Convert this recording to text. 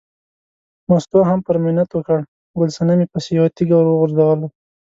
مستو هم پرې منت وکړ، ګل صنمې پسې یوه تیږه ور وغورځوله.